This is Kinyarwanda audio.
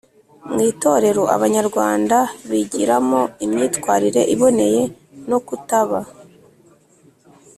Mu itorero, Abanyarwanda bigiramo imyitwarire iboneye no kutaba